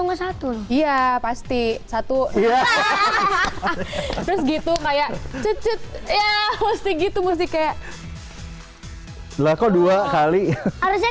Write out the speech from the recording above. enggak satu iya pasti satu ya terus gitu kayak ya pasti gitu musiknya hai selaku dua kali harusnya